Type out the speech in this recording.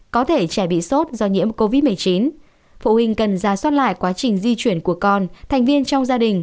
covid một mươi chín phụ huynh cần ra soát lại quá trình di chuyển của con thành viên trong gia đình